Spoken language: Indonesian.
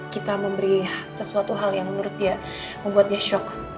kita memberi sesuatu hal yang menurut dia membuatnya shock